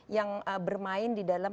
yang bermain di dalam